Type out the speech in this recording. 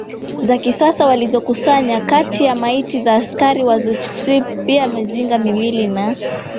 za kisasa walizokusanya kati ya maiti za askari wa Schutztruppe pia mizinga miwili na